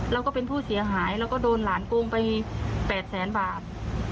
เราก็เป็นผู้เสียหายเราก็โดนหลานโกงไป๘แสนบาท